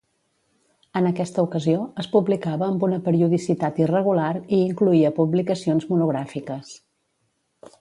En aquesta ocasió, es publicava amb una periodicitat irregular i incloïa publicacions monogràfiques.